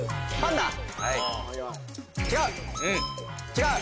違う。